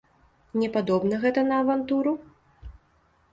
Не падобна гэта на авантуру?